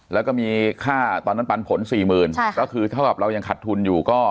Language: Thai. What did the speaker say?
แล้วก็มีค่าตอนนั้นปันผลสี่หมื่นก็คือเท่ากับเรายังขัดทุนอยู่ก็